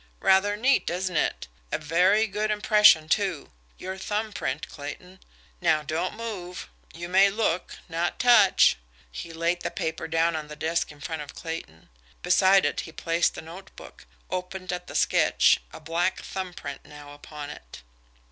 "Rather neat, isn't it? A very good impression, too. Your thumb print, Clayton. Now don't move. You may look not touch." He laid the paper down on the desk in front of Clayton. Beside it he placed the notebook, open at the sketch a black thumb print now upon it.